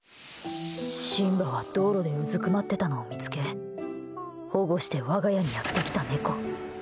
シンバは道路でうずくまっていたのを見つけ保護して我が家にやってきた猫。